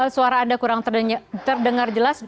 suara anda kurang terdengar jelas